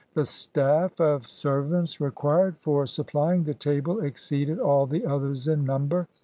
The staff of servants required for sup plying the table exceeded all the others in number.